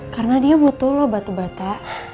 karena dia butuh lo batu bata